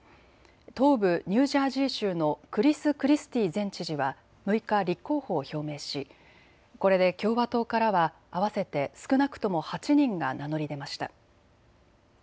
東部ニュージャージー州のクリス・クリスティー前知事は６日、立候補を表明し、これで共和党からは合わせて少なくとも８人が名乗り出ました。